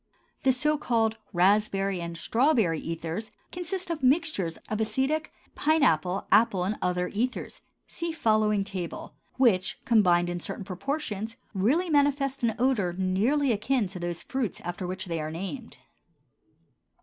The so called raspberry and strawberry ethers consist of mixtures of acetic, pine apple, apple, and other ethers (see following table), which, combined in certain proportions, really manifest an odor nearly akin to those of the fruits after which they are named.